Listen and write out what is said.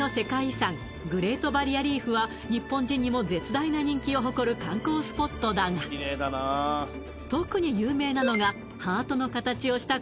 遺産グレートバリアリーフは日本人にも絶大な人気を誇る観光スポットだが特に有名なのがハートの形をした